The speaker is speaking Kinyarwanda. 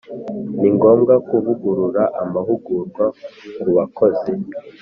Ni ngombwa kuvugurura amahugurwa ku bakozi